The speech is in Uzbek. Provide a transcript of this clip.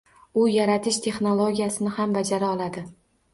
U yaratish texnologiyasini ham bajara oladi